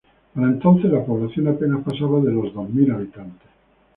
Para entonces la población apenas pasaba de los dos mil habitantes.